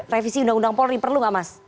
revisi undang undang polri perlu nggak mas